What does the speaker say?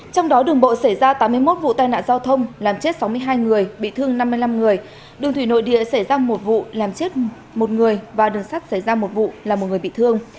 trong đó đường bộ xảy ra tám mươi một vụ tai nạn giao thông làm chết sáu mươi hai người bị thương năm mươi năm người đường thủy nội địa xảy ra một vụ làm chết một người và đường sắt xảy ra một vụ là một người bị thương